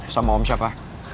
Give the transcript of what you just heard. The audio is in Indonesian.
sama om siapa